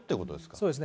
そうですね。